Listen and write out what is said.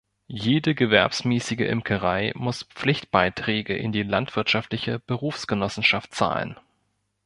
Jede gewerbsmäßige Imkerei muss Pflichtbeiträge in die landwirtschaftliche Berufsgenossenschaft zahlen.